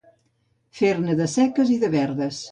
Fer-ne de seques i de verdes.